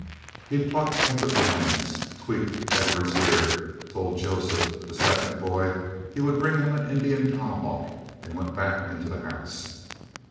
He plucked at the vines, tweaked Edward's ear, told Joseph, the second boy, he would bring him an Indian tomahawk, and went back into the house.